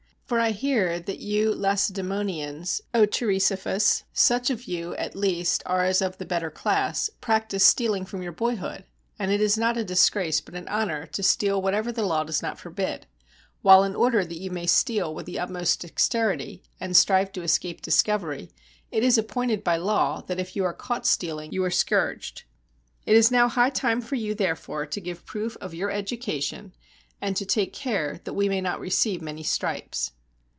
For I hear that you Lacedaemonians, O Cheirisophus, such of you at least as are of the better class, practice stealing from your boyhood, and it is not a disgrace, but an honor, to steal whatever the law does not forbid ; while, in order that you may steal with the utmost dex terity, and strive to escape discovery, it is appointed by law that, if you are caught stealing, you are scourged. It is now high time for you, therefore, to give proof of your education, and to take care that we may not re ceive many stripes."